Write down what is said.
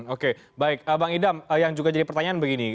oke baik bang idam yang juga jadi pertanyaan begini